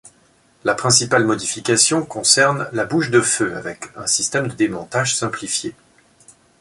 La principale modification concerne la bouche de feu avec un système de démontage simplifié.